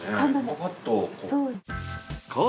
パパッとこう。